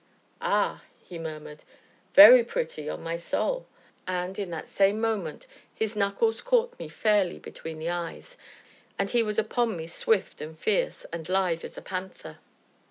"Ah!" he murmured, "very pretty, on my soul!" And, in that same moment, his knuckles caught me fairly between the eyes, and he was upon me swift, and fierce, and lithe as a panther.